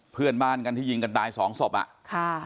เพื่อนบ้านกันที่ยิงกันตายสองศพอ่ะค่ะ